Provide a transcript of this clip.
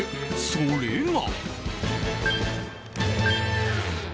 それが。